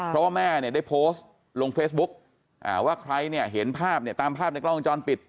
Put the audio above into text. เพราะว่าแม่เนี่ยได้โพสต์ลงเฟซบุ๊กว่าใครเนี่ยเห็นภาพเนี่ยตามภาพในกล้องวงจรปิด